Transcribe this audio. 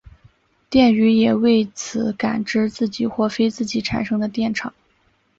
电鱼也藉此感知自己或非自己产生的电场。